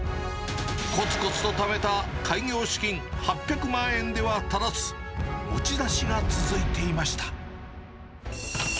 こつこつとためた開業資金８００万円では足らず、持ち出しが続いていました。